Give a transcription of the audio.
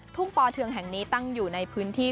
ปอเทืองแห่งนี้ตั้งอยู่ในพื้นที่